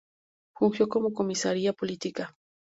Fungió como comisaría política.